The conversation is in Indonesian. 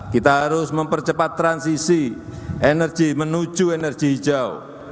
kita harus mempercepat transisi energi menuju energi hijau